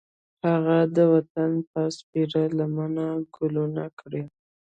هغه د وطن په سپېره لمن ګلونه کري